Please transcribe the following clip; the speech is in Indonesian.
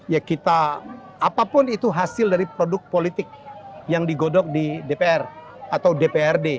ya kita apapun itu hasil dari produk politik yang digodok di dpr atau dprd